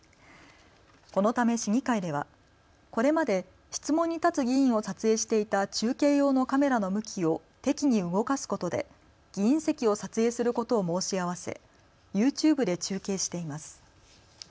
このため市議会ではこれまで質問に立つ議員を撮影していた中継用のカメラの向きを適宜、動かすことで議員席を撮影することを申し合わせＹｏｕＴｕｂｅで中継しています。